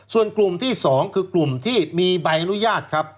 ส่วนกลุ่มที่๒คือกลุ่มที่มีใบอนุญาตครับ